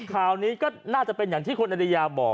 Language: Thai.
ข่าวนี้ก็น่าจะเป็นอย่างที่คุณอริยาบอก